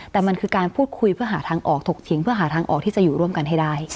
แต่มันคือการพูดคุยเพื่อหาทางออกถกเถียงเพื่อหาทางออกที่จะอยู่ร่วมกันให้ได้